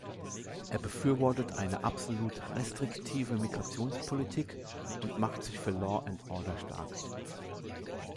Er befürwortet eine absolut restriktive Migrationspolitik und macht sich für Law and Order stark.